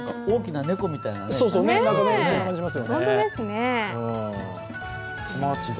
大きな猫みたいな感じ。